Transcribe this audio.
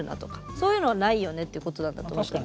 そういうのはないよねっていうことなんだと思うから。